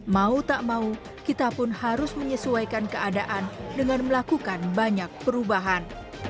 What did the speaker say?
mau tak mau kita pun harus menyesuaikan keadaan dengan melakukan banyak perubahan